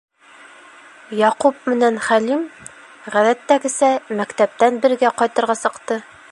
...Яҡуп менән Хәлим, ғәҙәттәгесә, мәктәптән бергә ҡайтырға сыҡты.